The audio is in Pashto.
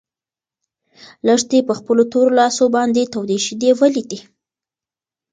لښتې په خپلو تورو لاسو باندې تودې شيدې ولیدې.